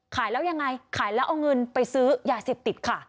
ขายแล้วยังไงขายแล้วเอาเงินไปซื้อยาเสพติดค่ะ